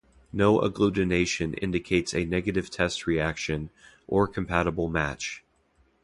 No agglutination indicates a negative test reaction, or compatible match.